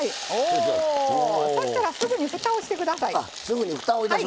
そうしたらすぐにふたをしてください。